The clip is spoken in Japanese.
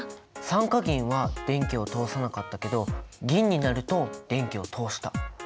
酸化銀は電気を通さなかったけど銀になると電気を通した。